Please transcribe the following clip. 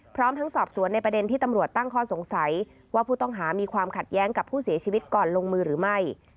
พร้อมทั้งสอบสวนในประเด็นที่ตำรวจตั้งข้อสงสัยว่าผู้ต้องหามีความขัดแย้งกับผู้เสียชีวิตก่อนลงมือหรือไม่